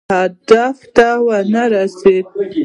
خو خپلو ستراتیژیکو اهدافو ته ونه رسید.